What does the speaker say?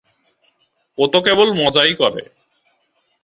ও তো কেবল মজাই করে।